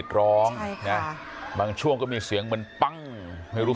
ท่านลองฟังเสียชุด๓ศพบาดเจ็บอีก๑๒นะแต่ดูภาพที่เขาบรรยาการณ์กันไว้ได้